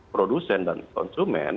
produsen dan konsumen